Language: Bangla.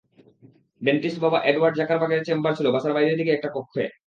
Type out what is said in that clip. ডেন্টিস্ট বাবা অ্যাডওয়ার্ড জাকারবার্গের চেম্বার ছিল বাসার বাইরের দিকেরই একটা কক্ষ।